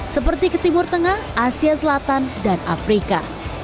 seperti ke timur tengah asia selatan dan afrika